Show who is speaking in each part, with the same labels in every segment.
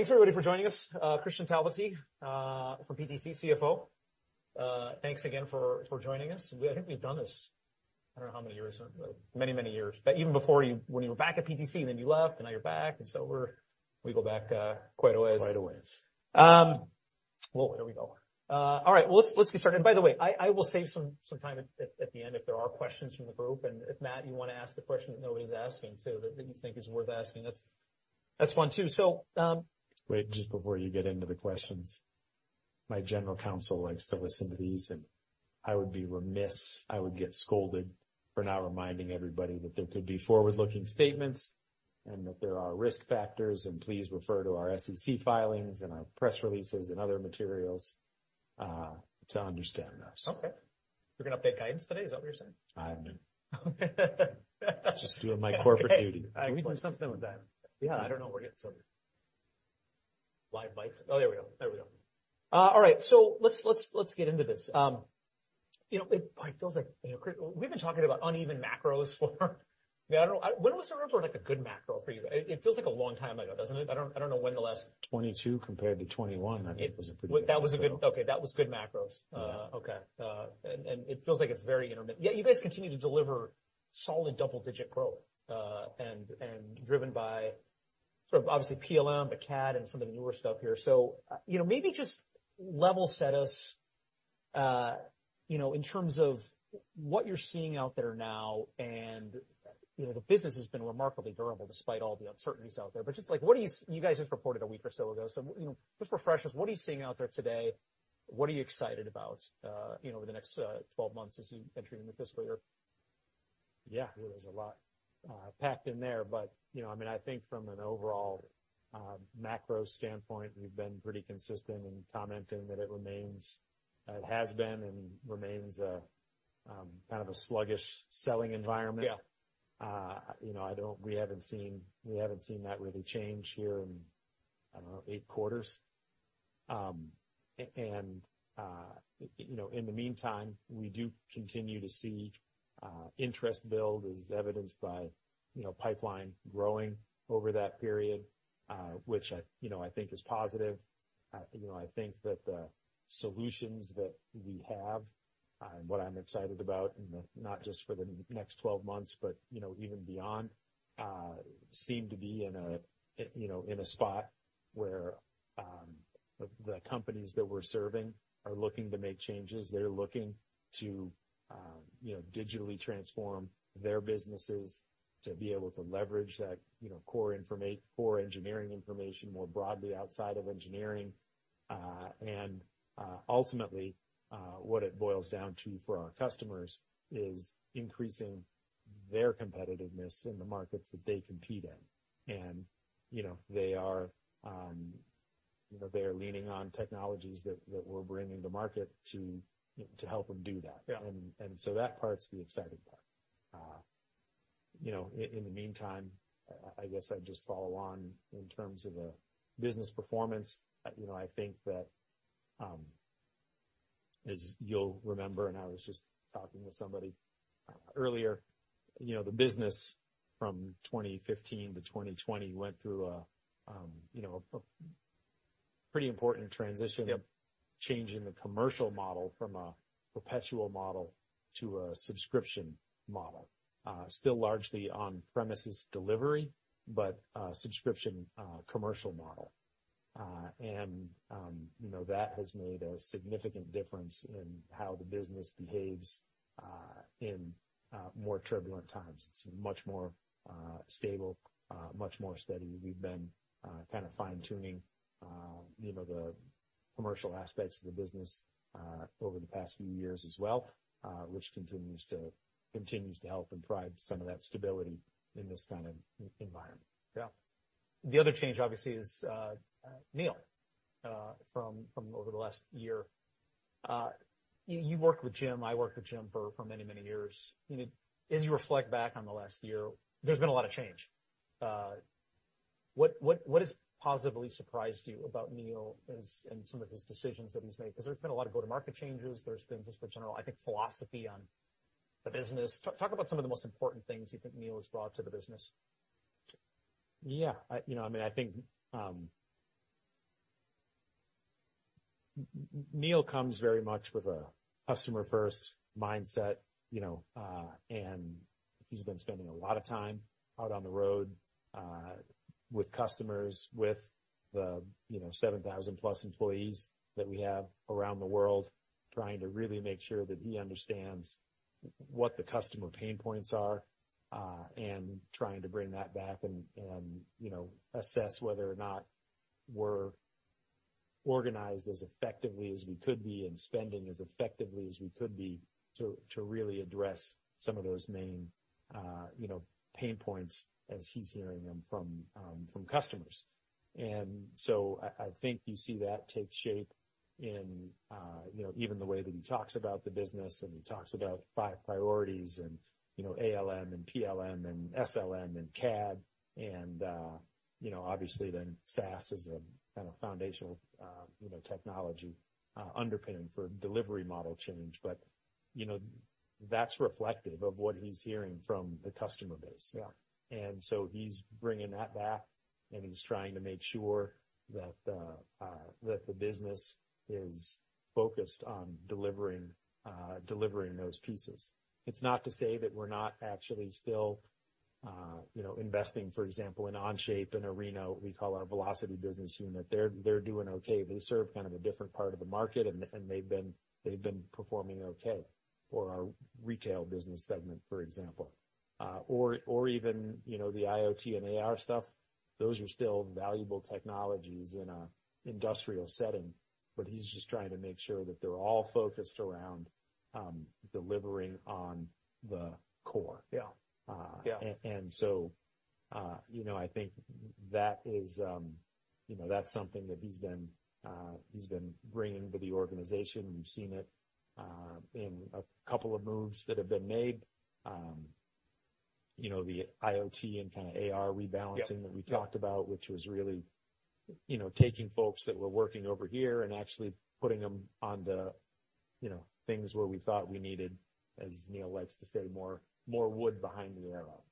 Speaker 1: Thanks, everybody, for joining us. Kristian Talvitie from PTC, CFO. Thanks again for joining us. I think we've done this—I don't know how many years—many, many years. Even before you, when you were back at PTC, and then you left, and now you're back, we go back quite a ways.
Speaker 2: Quite a ways.
Speaker 1: There we go. All right. Let's get started. By the way, I will save some time at the end if there are questions from the group. If, Matt, you want to ask the question that nobody's asking, too, that you think is worth asking, that's fun, too.
Speaker 2: Wait, just before you get into the questions, my general counsel likes to listen to these, and I would be remiss—I would get scolded for not reminding everybody that there could be forward-looking statements and that there are risk factors. Please refer to our SEC filings and our press releases and other materials to understand us.
Speaker 1: Okay. You're gonna update guidance today? Is that what you're saying?
Speaker 2: I'm just doing my corporate duty.
Speaker 1: We can do something with that.
Speaker 2: Yeah.
Speaker 1: I don't know where it's—live mics—oh, there we go. There we go. All right. Let's get into this. You know, it—boy, it feels like, you know, we've been talking about uneven macros for—I don't know—when was there ever, like, a good macro for you? It feels like a long time ago, doesn't it? I don't—I don't know when the last.
Speaker 2: 2022 compared to 2021, I think, was a pretty good.
Speaker 1: That was good. Okay, that was good macros. Okay. And it feels like it's very intermittent. Yeah, you guys continue to deliver solid double-digit growth, and driven by sort of, obviously, PLM, but CAD and some of the newer stuff here. You know, maybe just level-set us, you know, in terms of what you're seeing out there now. You know, the business has been remarkably durable despite all the uncertainties out there. Just, like, what are you—you guys just reported a week or so ago. You know, just refresh us. What are you seeing out there today? What are you excited about, you know, over the next 12 months as you enter into the fiscal year?
Speaker 2: Yeah, there's a lot packed in there. You know, I mean, I think from an overall macro standpoint, we've been pretty consistent in commenting that it remains—it has been and remains, kind of a sluggish selling environment.
Speaker 1: Yeah.
Speaker 2: You know, I don't—we haven't seen—we haven't seen that really change here in, I don't know, eight quarters. And, you know, in the meantime, we do continue to see interest build as evidenced by, you know, pipeline growing over that period, which I, you know, I think is positive. You know, I think that the solutions that we have, and what I'm excited about, and not just for the next 12 months, but, you know, even beyond, seem to be in a, you know, in a spot where the companies that we're serving are looking to make changes. They're looking to, you know, digitally transform their businesses to be able to leverage that, you know, core information—core engineering information more broadly outside of engineering. And, ultimately, what it boils down to for our customers is increasing their competitiveness in the markets that they compete in. You know, they are leaning on technologies that we are bringing to market to, you know, help them do that.
Speaker 1: Yeah.
Speaker 2: That part's the exciting part. You know, in the meantime, I guess I'd just follow on in terms of the business performance. You know, I think that, as you'll remember, and I was just talking with somebody earlier, you know, the business from 2015 to 2020 went through a pretty important transition.
Speaker 1: Yep.
Speaker 2: Changing the commercial model from a perpetual model to a subscription model. Still largely on-premises delivery, but a subscription, commercial model. And, you know, that has made a significant difference in how the business behaves, in more turbulent times. It's much more stable, much more steady. We've been, kind of fine-tuning, you know, the commercial aspects of the business, over the past few years as well, which continues to—continues to help and provide some of that stability in this kind of environment.
Speaker 1: Yeah. The other change, obviously, is, Neil, from over the last year. You worked with Jim. I worked with Jim for many, many years. You know, as you reflect back on the last year, there's been a lot of change. What has positively surprised you about Neil and some of his decisions that he's made? Because there's been a lot of go-to-market changes. There's been just a general, I think, philosophy on the business. Talk about some of the most important things you think Neil has brought to the business.
Speaker 2: Yeah. I, you know, I mean, I think, Neil comes very much with a customer-first mindset, you know, and he's been spending a lot of time out on the road, with customers, with the, you know, 7,000+ employees that we have around the world, trying to really make sure that he understands what the customer pain points are, and trying to bring that back and, you know, assess whether or not we're organized as effectively as we could be and spending as effectively as we could be to, to really address some of those main, you know, pain points as he's hearing them from, from customers. I think you see that take shape in, you know, even the way that he talks about the business, and he talks about five priorities and, you know, ALM and PLM and SLM and CAD. SaaS is a kind of foundational, you know, technology, underpinning for delivery model change. But, you know, that's reflective of what he's hearing from the customer base.
Speaker 1: Yeah.
Speaker 2: He's bringing that back, and he's trying to make sure that the business is focused on delivering those pieces. It's not to say that we're not actually still, you know, investing, for example, in Onshape and Arena, what we call our velocity business unit. They're doing okay. They serve kind of a different part of the market, and they've been performing okay for our retail business segment, for example. Or even, you know, the IoT and AR stuff, those are still valuable technologies in an industrial setting. He's just trying to make sure that they're all focused around delivering on the core.
Speaker 1: Yeah.
Speaker 2: and, and so, you know, I think that is, you know, that's something that he's been, he's been bringing to the organization. We've seen it, in a couple of moves that have been made. you know, the IoT and kind of AR rebalancing that we talked about, which was really, you know, taking folks that were working over here and actually putting them on to, you know, things where we thought we needed, as Neil likes to say, more, more wood behind the arrow.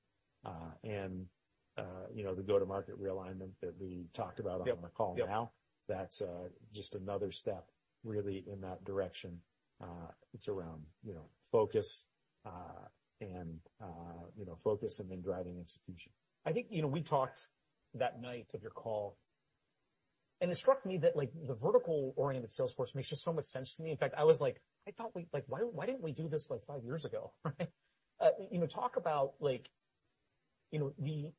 Speaker 2: and, you know, the go-to-market realignment that we talked about on the call now.
Speaker 1: Yeah.
Speaker 2: That's just another step, really, in that direction. It's around, you know, focus, and, you know, focus and then driving execution.
Speaker 1: I think, you know, we talked that night of your call, and it struck me that, like, the vertical-oriented salesforce makes just so much sense to me. In fact, I was like, I thought we—like, why—why didn't we do this, like, five years ago? Right? You know, talk about, like, you know, the both—I,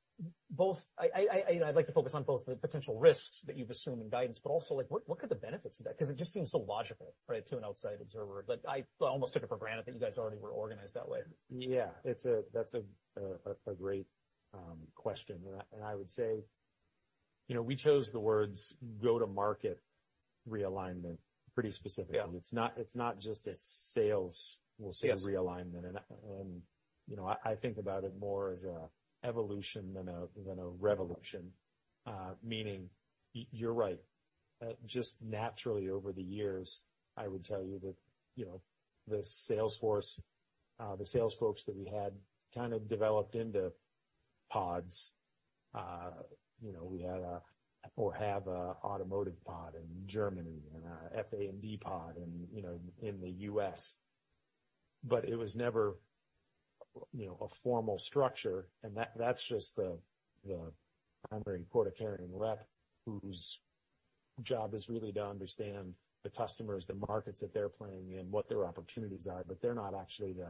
Speaker 1: I, you know, I'd like to focus on both the potential risks that you've assumed in guidance, but also, like, what, what could the benefits of that—because it just seems so logical, right, to an outside observer. I almost took it for granted that you guys already were organized that way.
Speaker 2: Yeah. That's a great question. I would say, you know, we chose the words go-to-market realignment pretty specifically.
Speaker 1: Yeah.
Speaker 2: It's not—it's not just a sales, we'll say, realignment.
Speaker 1: Yes.
Speaker 2: You know, I think about it more as an evolution than a revolution. Meaning you're right. Just naturally, over the years, I would tell you that, you know, the salesforce, the sales folks that we had kind of developed into pods. You know, we had a—or have an automotive pod in Germany and an FA&D pod in, you know, in the U.S. It was never, you know, a formal structure. That is just the primary quota carrying rep whose job is really to understand the customers, the markets that they're playing in, what their opportunities are. They're not actually the,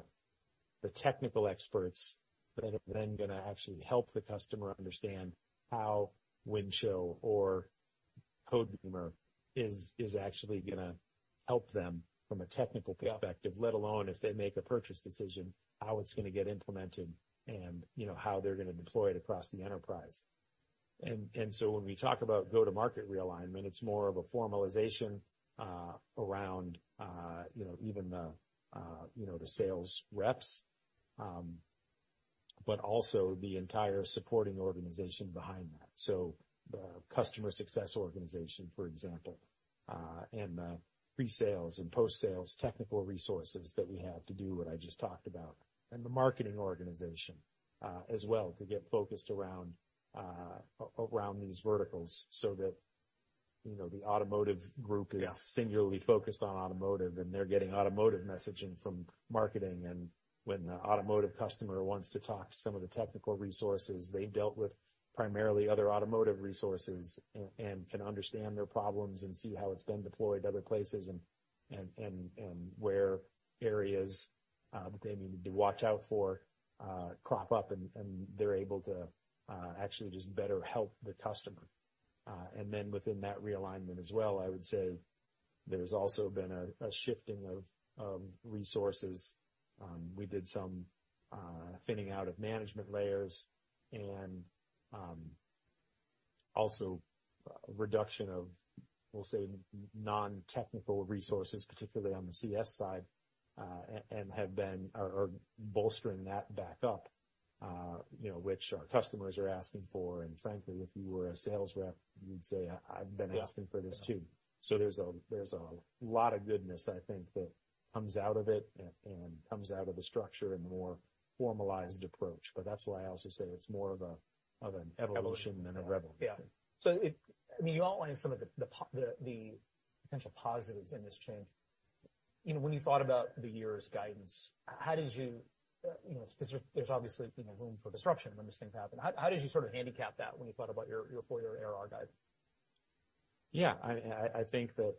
Speaker 2: the technical experts that are then going to actually help the customer understand how Windchill or Codebeamer is, is actually going to help them from a technical perspective, let alone if they make a purchase decision, how it's going to get implemented and, you know, how they're going to deploy it across the enterprise. When we talk about go-to-market realignment, it's more of a formalization, around, you know, even the, you know, the sales reps, but also the entire supporting organization behind that. The customer success organization, for example, and the pre-sales and post-sales technical resources that we have to do what I just talked about, and the marketing organization, as well to get focused around, around these verticals so that, you know, the automotive group is.
Speaker 1: Yeah.
Speaker 2: Singularly focused on automotive, and they're getting automotive messaging from marketing. When the automotive customer wants to talk to some of the technical resources, they've dealt with primarily other automotive resources and can understand their problems and see how it's been deployed other places and where areas that they need to watch out for crop up, and they're able to actually just better help the customer. Then within that realignment as well, I would say there's also been a shifting of resources. We did some thinning out of management layers and also a reduction of, we'll say, non-technical resources, particularly on the CS side, and have been bolstering that back up, you know, which our customers are asking for. Frankly, if you were a sales rep, you'd say, "I've been asking for this too".
Speaker 1: Yeah.
Speaker 2: There is a lot of goodness, I think, that comes out of it and comes out of the structure and the more formalized approach. That is why I also say it is more of an evolution than a revolution.
Speaker 1: Yeah. It—I mean, you outlined some of the, the potential positives in this change. You know, when you thought about the year's guidance, how did you—you know, because there's obviously, you know, room for disruption when this thing happened. How, how did you sort of handicap that when you thought about your, your four-year ARR guide?
Speaker 2: Yeah. I think that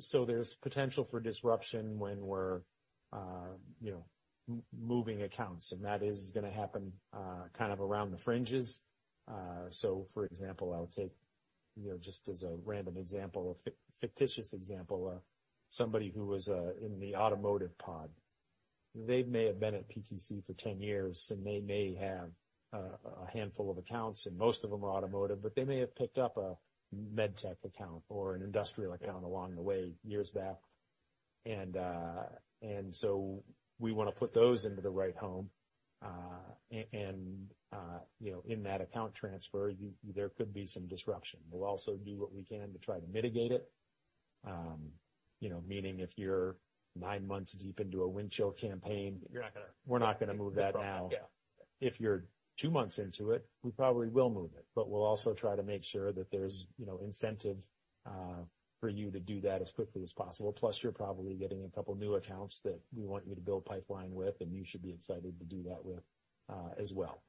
Speaker 2: so there's potential for disruption when we're moving accounts. That is going to happen, kind of around the fringes. For example, I'll take, just as a random example, a fictitious example of somebody who was in the automotive pod. They may have been at PTC for 10 years, and they may have a handful of accounts, and most of them are automotive, but they may have picked up a medtech account or an industrial account along the way years back. We want to put those into the right home. In that account transfer, there could be some disruption. We'll also do what we can to try to mitigate it, meaning if you're nine months deep into a Windchill campaign.
Speaker 1: You're not going to.
Speaker 2: We're not going to move that now.
Speaker 1: Probably. Yeah.
Speaker 2: If you're two months into it, we probably will move it. We also try to make sure that there's, you know, incentive, for you to do that as quickly as possible. Plus, you're probably getting a couple new accounts that we want you to build pipeline with, and you should be excited to do that with, as well.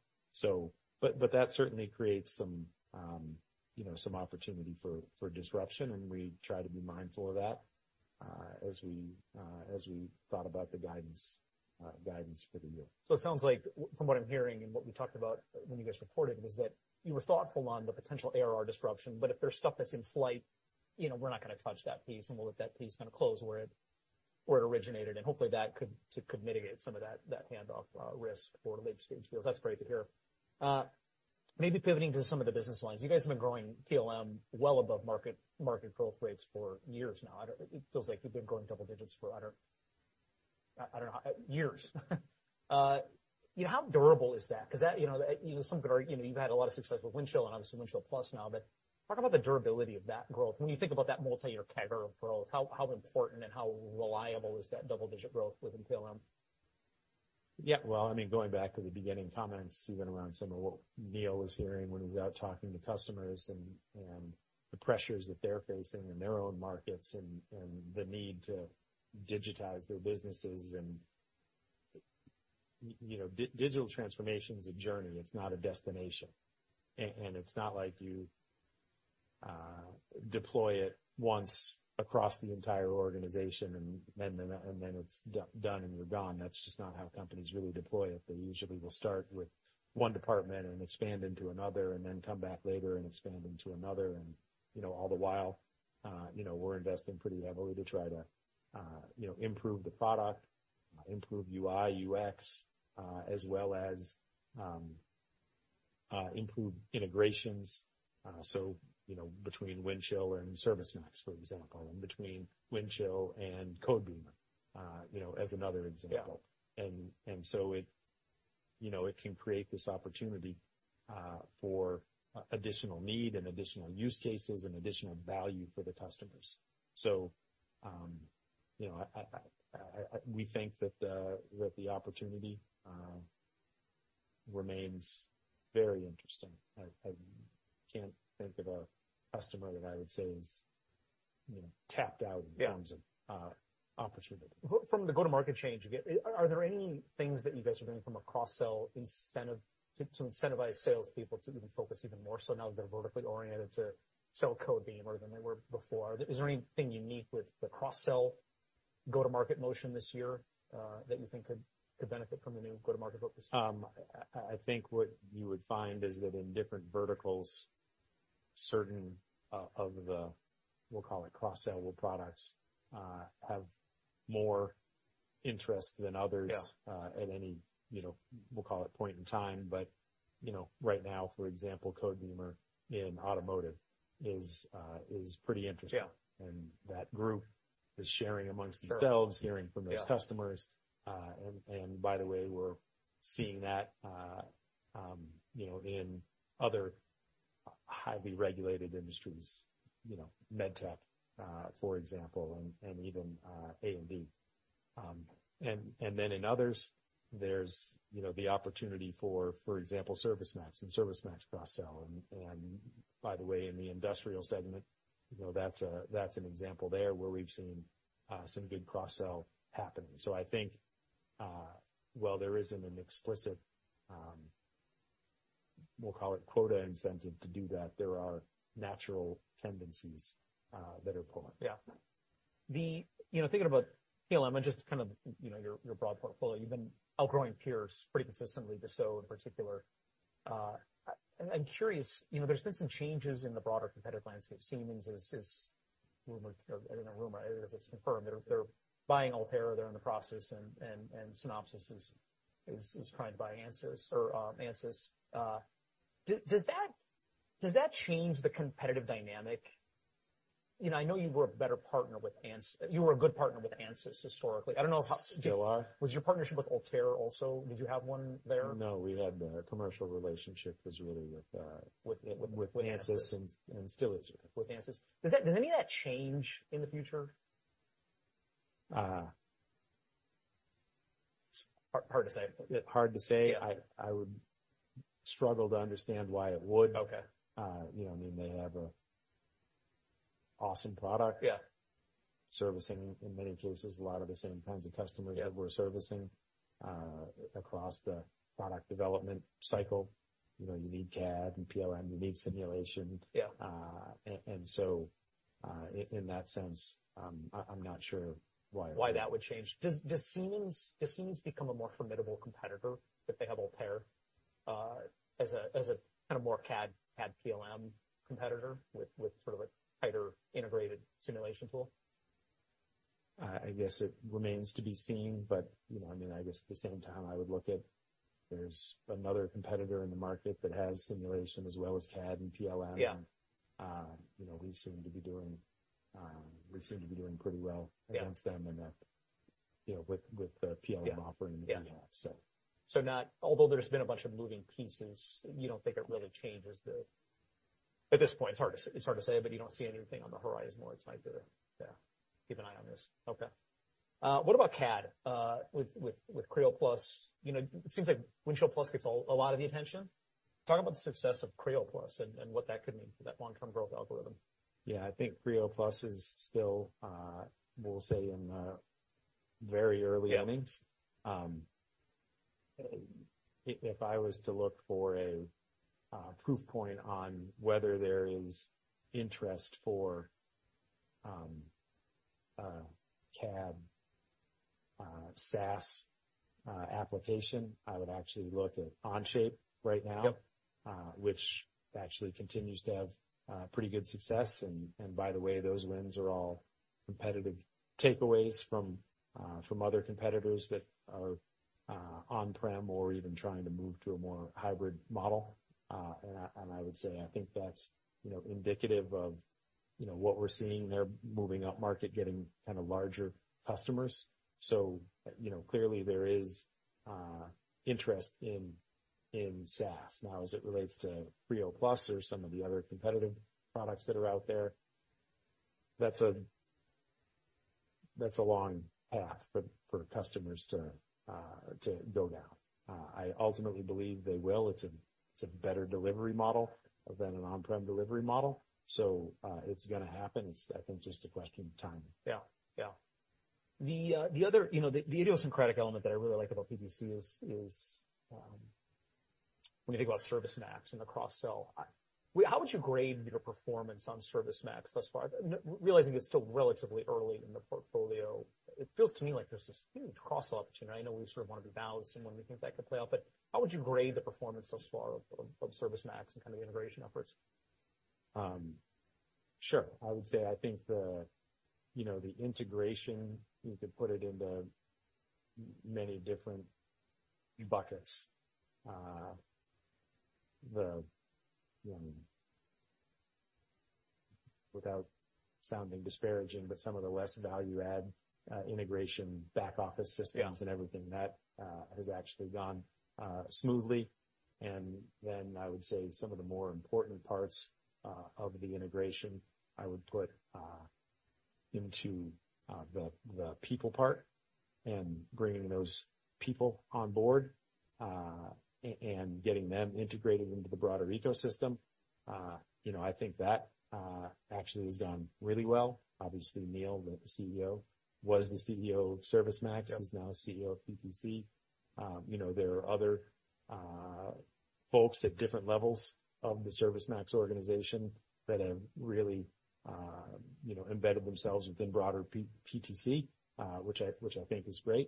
Speaker 2: That certainly creates some, you know, some opportunity for, for disruption. We try to be mindful of that, as we, as we thought about the guidance, guidance for the year.
Speaker 1: It sounds like, from what I'm hearing and what we talked about when you guys reported, was that you were thoughtful on the potential ARR disruption. If there's stuff that's in flight, you know, we're not going to touch that piece, and we'll let that piece kind of close where it originated. Hopefully, that could mitigate some of that handoff risk for late-stage deals. That's great to hear. Maybe pivoting to some of the business lines. You guys have been growing PLM well above market growth rates for years now. I don't—it feels like you've been growing double-digits for, I don't—I don't know how—years. You know, how durable is that? Because that, you know, that, you know, some are—you know, you've had a lot of success with Windchill and obviously Windchill+ now. Talk about the durability of that growth. When you think about that multi-year CAGR growth, how important and how reliable is that double-digit growth within PLM?
Speaker 2: Yeah. I mean, going back to the beginning comments, even around some of what Neil was hearing when he was out talking to customers and the pressures that they're facing in their own markets and the need to digitize their businesses. You know, digital transformation is a journey. It's not a destination. It's not like you deploy it once across the entire organization, and then it's done and you're gone. That's just not how companies really deploy it. They usually will start with one department and expand into another and then come back later and expand into another. You know, all the while, we're investing pretty heavily to try to, you know, improve the product, improve UI/UX, as well as improve integrations. You know, between Windchill and ServiceMax, for example, and between Windchill and Codebeamer, you know, as another example.
Speaker 1: Yeah.
Speaker 2: It can create this opportunity for additional need and additional use cases and additional value for the customers. You know, we think that the opportunity remains very interesting. I can't think of a customer that I would say is, you know, tapped out in terms of.
Speaker 1: Yeah.
Speaker 2: opportunity.
Speaker 1: From the go-to-market change, are there any things that you guys are doing from a cross-sell incentive to incentivize salespeople to even focus even more so now that they're vertically oriented to sell Codebeamer than they were before? Is there anything unique with the cross-sell go-to-market motion this year that you think could benefit from the new go-to-market focus?
Speaker 2: I think what you would find is that in different verticals, certain, of the, we'll call it cross-sellable products, have more interest than others.
Speaker 1: Yeah.
Speaker 2: at any, you know, we'll call it point in time. You know, right now, for example, Codebeamer in automotive is, is pretty interesting.
Speaker 1: Yeah.
Speaker 2: That group is sharing amongst themselves.
Speaker 1: Sure.
Speaker 2: Hearing from those customers, and by the way, we're seeing that, you know, in other highly regulated industries, you know, medtech, for example, and even A&D. In others, there's, you know, the opportunity for, for example, ServiceMax and ServiceMax cross-sell. By the way, in the industrial segment, you know, that's an example there where we've seen some good cross-sell happening. I think, while there isn't an explicit, we'll call it quota incentive to do that, there are natural tendencies that are poor.
Speaker 1: Yeah. You know, thinking about PLM and just kind of, you know, your broad portfolio, you've been outgrowing peers pretty consistently just so, in particular. I'm curious, you know, there's been some changes in the broader competitive landscape. Siemens is, is rumored, or I think a rumor is, it's confirmed. They're, they're buying Altair. They're in the process. Synopsys is, is, is trying to buy Ansys or, Ansys. Does that, does that change the competitive dynamic? You know, I know you were a better partner with Ansys. You were a good partner with Ansys historically. I don't know if.
Speaker 2: Still are.
Speaker 1: Was your partnership with Altair also? Did you have one there?
Speaker 2: No. We had the commercial relationship was really with,
Speaker 1: With Ansys?
Speaker 2: With Ansys and still is with.
Speaker 1: With Ansys? Does any of that change in the future? It's hard to say.
Speaker 2: It's hard to say. I would struggle to understand why it would.
Speaker 1: Okay.
Speaker 2: you know, I mean, they have an awesome product.
Speaker 1: Yeah.
Speaker 2: Servicing, in many cases, a lot of the same kinds of customers that we're servicing, across the product development cycle. You know, you need CAD and PLM. You need simulation.
Speaker 1: Yeah.
Speaker 2: And so, in that sense, I'm not sure why it would.
Speaker 1: Why that would change. Does Siemens, does Siemens become a more formidable competitor if they have Altair, as a kind of more CAD, CAD PLM competitor with sort of a tighter integrated simulation tool?
Speaker 2: I guess it remains to be seen. But, you know, I mean, I guess at the same time, I would look at. There's another competitor in the market that has simulation as well as CAD and PLM.
Speaker 1: Yeah.
Speaker 2: You know, we seem to be doing pretty well against them in that, you know, with the PLM offering that we have.
Speaker 1: Yeah. Not, although there's been a bunch of moving pieces, you don't think it really changes the, at this point, it's hard to say, but you don't see anything on the horizon where it's not going to, yeah, keep an eye on this. Okay. What about CAD, with Creo+? You know, it seems like Windchill+ gets a lot of the attention. Talk about the success of Creo+ and what that could mean for that long-term growth algorithm.
Speaker 2: Yeah. I think Creo+ is still, we'll say, in the very early innings.
Speaker 1: Yeah.
Speaker 2: If I was to look for a proof point on whether there is interest for CAD, SaaS application, I would actually look at Onshape right now.
Speaker 1: Yep.
Speaker 2: which actually continues to have pretty good success. And by the way, those wins are all competitive takeaways from other competitors that are on-prem or even trying to move to a more hybrid model. I would say I think that's, you know, indicative of, you know, what we're seeing there moving up market, getting kind of larger customers. So, you know, clearly there is interest in SaaS. Now, as it relates to Creo+ or some of the other competitive products that are out there, that's a long path for customers to go down. I ultimately believe they will. It's a better delivery model than an on-prem delivery model. It's going to happen. It's, I think, just a question of time.
Speaker 1: Yeah. Yeah. The other, you know, the idiosyncratic element that I really like about PTC is, is, when you think about ServiceMax and the cross-sell, how would you grade your performance on ServiceMax thus far? Realizing it's still relatively early in the portfolio, it feels to me like there's this huge cross-sell opportunity. I know we sort of want to be balanced in when we think that could play out. How would you grade the performance thus far of ServiceMax and kind of the integration efforts?
Speaker 2: Sure. I would say I think the, you know, the integration, you could put it into many different buckets. The, without sounding disparaging, but some of the less value-add, integration back-office systems and everything that, has actually gone, smoothly. And then I would say some of the more important parts, of the integration, I would put, into, the, the people part and bringing those people on board, and getting them integrated into the broader ecosystem. You know, I think that, actually has gone really well. Obviously, Neil, the CEO, was the CEO of ServiceMax.
Speaker 1: Yeah.
Speaker 2: He's now CEO of PTC. You know, there are other folks at different levels of the ServiceMax organization that have really, you know, embedded themselves within broader PTC, which I think is great.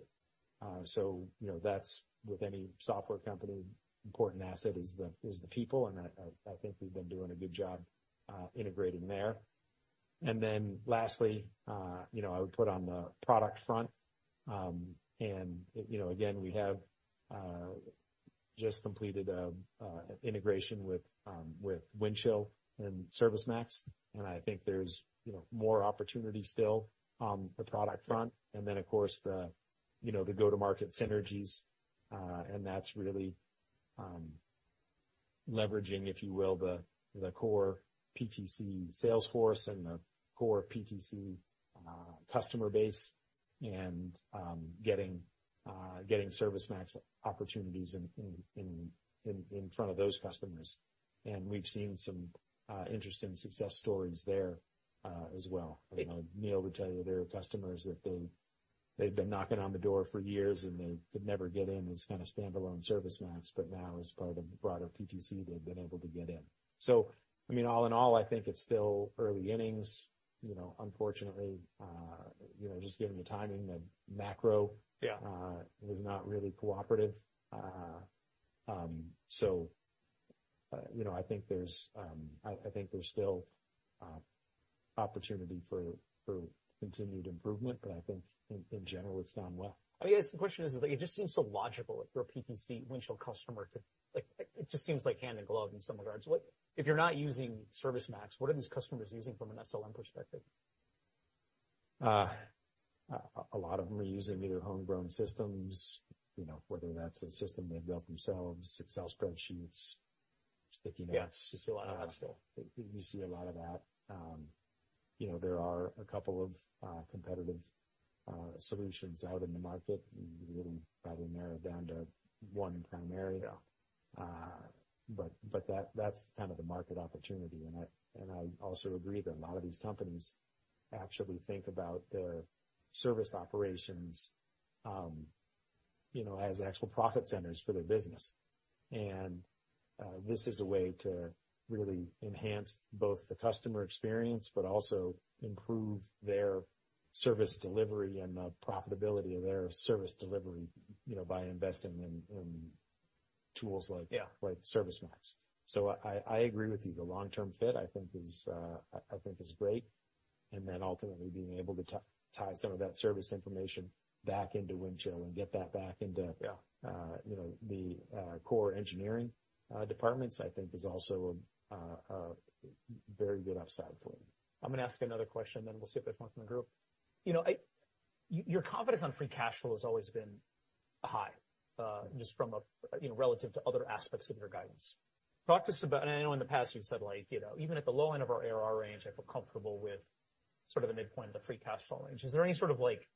Speaker 2: You know, that's with any software company, important asset is the people. And I think we've been doing a good job integrating there. Lastly, you know, I would put on the product front, and, you know, again, we have just completed an integration with Windchill and ServiceMax. I think there's, you know, more opportunity still on the product front. Of course, the go-to-market synergies, and that's really leveraging, if you will, the core PTC salesforce and the core PTC customer base and getting ServiceMax opportunities in front of those customers. We have seen some interesting success stories there, as well.
Speaker 1: Yeah.
Speaker 2: You know, Neil would tell you there are customers that they, they've been knocking on the door for years, and they could never get in as kind of standalone ServiceMax. Now, as part of the broader PTC, they've been able to get in. I mean, all in all, I think it's still early innings. You know, unfortunately, just given the timing, the macro.
Speaker 1: Yeah.
Speaker 2: was not really cooperative. You know, I think there's, I think there's still opportunity for continued improvement. I think, in general, it's done well.
Speaker 1: I guess the question is, like, it just seems so logical for a PTC Windchill customer to, like, it just seems like hand in glove in some regards. What, if you're not using ServiceMax, what are these customers using from an SLM perspective?
Speaker 2: A lot of them are using either homegrown systems, you know, whether that's a system they've built themselves, Excel spreadsheets, sticky notes.
Speaker 1: Yeah. You see a lot of that still.
Speaker 2: You see a lot of that. You know, there are a couple of competitive solutions out in the market. We really probably narrowed down to one primary.
Speaker 1: Yeah.
Speaker 2: That is kind of the market opportunity. I also agree that a lot of these companies actually think about their service operations, you know, as actual profit centers for their business. This is a way to really enhance both the customer experience but also improve their service delivery and the profitability of their service delivery, you know, by investing in tools like.
Speaker 1: Yeah.
Speaker 2: Like ServiceMax. I agree with you. The long-term fit, I think, is, I think is great. And then ultimately, being able to tie some of that service information back into Windchill and get that back into.
Speaker 1: Yeah.
Speaker 2: You know, the core engineering departments, I think, is also a very good upside for them.
Speaker 1: I'm going to ask another question, and then we'll see if there's one from the group. You know, I, your confidence on free cash flow has always been high, just from a, you know, relative to other aspects of your guidance. Talk to us about, and I know in the past you've said, like, you know, even at the low end of our ARR range, I feel comfortable with sort of the midpoint of the free cash flow range. Is there any sort of, like,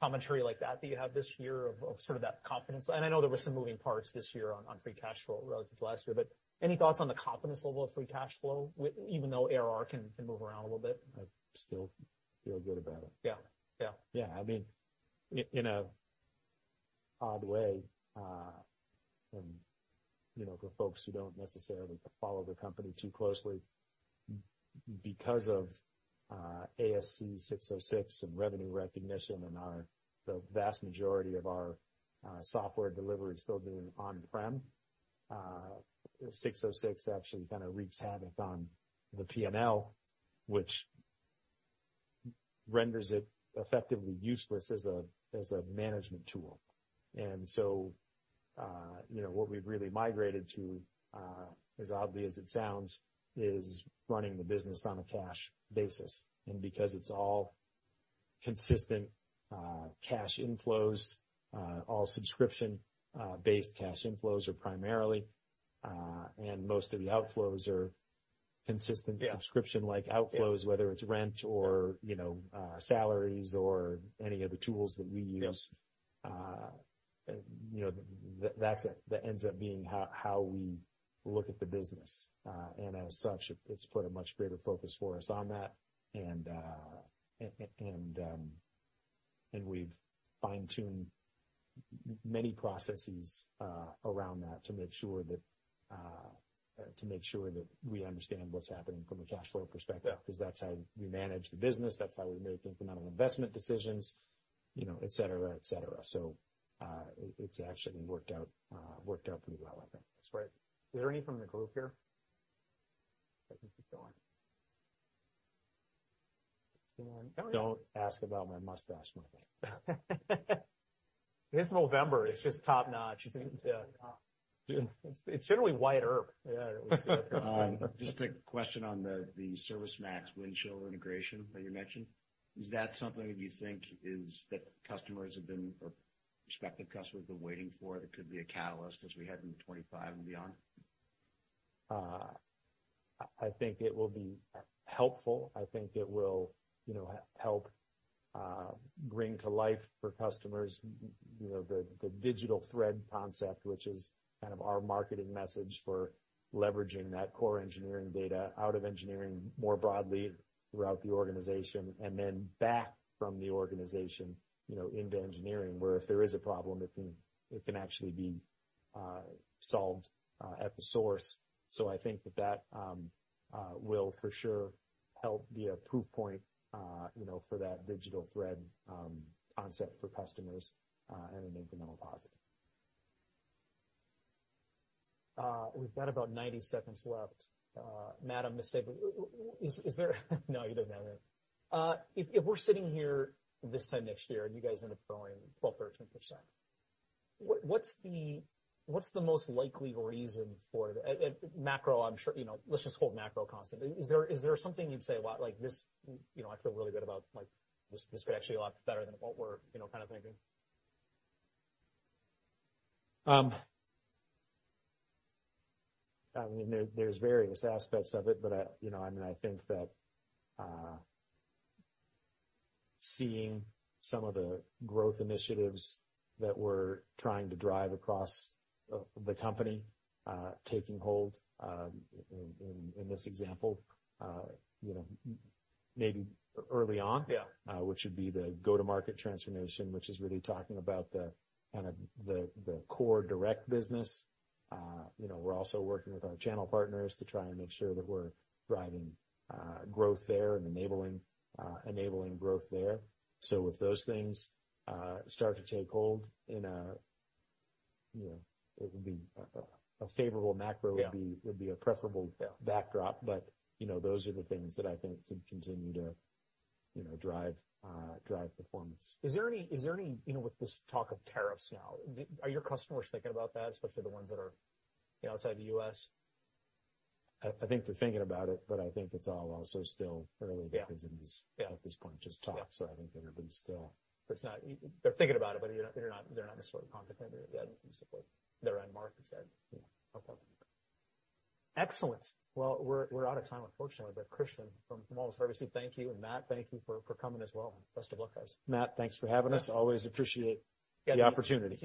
Speaker 1: commentary like that that you have this year of, of sort of that confidence? I know there were some moving parts this year on, on free cash flow relative to last year. Any thoughts on the confidence level of free cash flow with, even though ARR can, can move around a little bit?
Speaker 2: I still feel good about it.
Speaker 1: Yeah. Yeah.
Speaker 2: Yeah. I mean, in a odd way, and, you know, for folks who don't necessarily follow the company too closely, because of ASC 606 and revenue recognition and our, the vast majority of our software delivery is still doing on-prem, ASC 606 actually kind of wreaks havoc on the P&L, which renders it effectively useless as a management tool. You know, what we've really migrated to, as oddly as it sounds, is running the business on a cash basis. Because it's all consistent, cash inflows, all subscription-based cash inflows are primarily, and most of the outflows are consistent.
Speaker 1: Yeah.
Speaker 2: Subscription-like outflows, whether it's rent or, you know, salaries or any of the tools that we use.
Speaker 1: Yeah.
Speaker 2: You know, that's the, the ends up being how, how we look at the business. As such, it's put a much greater focus for us on that. And we've fine-tuned many processes around that to make sure that, to make sure that we understand what's happening from a cash flow perspective.
Speaker 1: Yeah.
Speaker 2: Because that's how we manage the business. That's how we make incremental investment decisions, you know, etc., etc. It actually worked out, worked out pretty well, I think.
Speaker 1: That's great. Is there any from the group here? I think he's going.
Speaker 2: Don't ask about my mustache.
Speaker 1: It is November. It's just top-notch. It's generally white herb. Yeah. It was. Just a question on the ServiceMax Windchill integration that you mentioned. Is that something that you think customers have been, or prospective customers have been waiting for that could be a catalyst as we head into 2025 and beyond?
Speaker 2: I think it will be helpful. I think it will, you know, help bring to life for customers, you know, the digital thread concept, which is kind of our marketing message for leveraging that core engineering data out of engineering more broadly throughout the organization and then back from the organization, you know, into engineering, where if there is a problem, it can actually be solved at the source. I think that that will for sure help be a proof point, you know, for that digital thread concept for customers, and an incremental positive.
Speaker 1: We've got about 90 seconds left. Matt, I'm going to say, is there—no, you didn't have it. If we're sitting here this time next year and you guys end up throwing 12%-13%, what's the most likely reason for the—and macro, I'm sure, you know, let's just hold macro constant. Is there something you'd say a lot like this, you know, I feel really good about, like, this, this could actually be a lot better than what we're, you know, kind of thinking?
Speaker 2: I mean, there are various aspects of it, but I, you know, I mean, I think that seeing some of the growth initiatives that we're trying to drive across the company taking hold, in this example, you know, maybe early on.
Speaker 1: Yeah.
Speaker 2: which would be the go-to-market transformation, which is really talking about the kind of the, the core direct business. you know, we're also working with our channel partners to try and make sure that we're driving growth there and enabling, enabling growth there. If those things start to take hold in a, you know, it would be a, a favorable macro.
Speaker 1: Yeah.
Speaker 2: Would be a preferable backdrop. You know, those are the things that I think could continue to, you know, drive performance.
Speaker 1: Is there any, is there any, you know, with this talk of tariffs now, are your customers thinking about that, especially the ones that are, you know, outside the U.S.?
Speaker 2: I think they're thinking about it, but I think it's also still early because it is.
Speaker 1: Yeah. Yeah.
Speaker 2: At this point, just talk. I think they're still.
Speaker 1: It's not, they're thinking about it, but they're not, they're not necessarily contemplating it yet in terms of, like, their end markets yet.
Speaker 2: Yeah.
Speaker 1: Okay. Excellent. We're out of time, unfortunately. But Kristian, thank you. And Matt, thank you for coming as well. Best of luck, guys.
Speaker 2: Matt, thanks for having us. Always appreciate the opportunity.